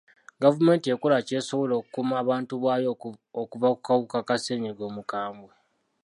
Gavumenti ekola ky'esobola okukuuma abantu baayo okuva ku kawuka ka ssenyiga omukambwe.